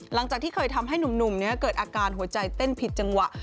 หลังจากที่เคยทำให้หนุ่มเกิดอาการหัวใจเต้นผิดจังหวะ